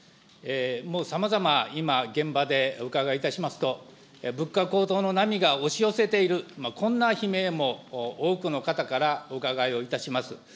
もうさまざま今、現場でお伺いいたしますと、物価高騰の波が押し寄せている、こんな悲鳴も多くの方からお伺いをいたします。